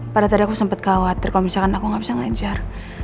pada tadi aku sempet khawatir kalau misalkan aku gak bisa ngajar